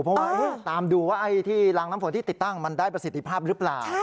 เพราะว่าตามดูว่าไอ้ที่รางน้ำฝนที่ติดตั้งมันได้ประสิทธิภาพหรือเปล่า